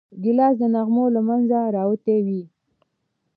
ګیلاس د نغمو له منځه راوتی وي.